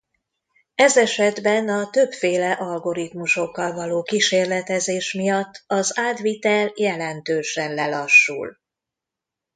Ez esetben a többféle algoritmusokkal való kísérletezés miatt az átvitel jelentősen lelassul.